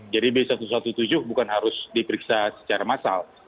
jadi b satu ratus tujuh belas bukan harus diperiksa secara massal